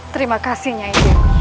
terima kasih nyai